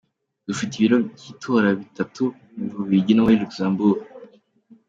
Dufite ibiro by’itora bitatu mu Bubiligi no muri Luxembourg.